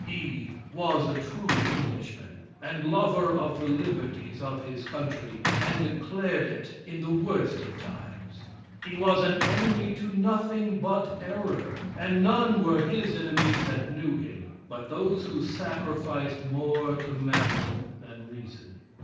He was a true Englishman, and lover of the liberties of his country, and declared it in the worst of times. He was an enemy to nothing but error, and none were his enemies that knew him, but those who sacrificed more to mammon than reason."